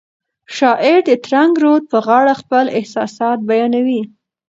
شاعر د ترنګ رود په غاړه خپل احساسات بیانوي.